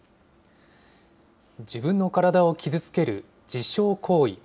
自分の体を傷つける自傷行為。